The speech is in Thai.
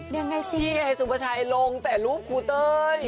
ยังไงสิพี่ให้ซุประชายลงแต่รูปคุณเต้ย